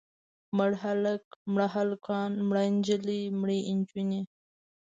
مړ هلک، مړه هلکان، مړه نجلۍ، مړې نجونې.